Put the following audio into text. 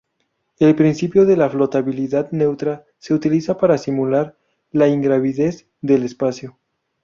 El principio de la flotabilidad neutra se utiliza para simular la ingravidez del espacio.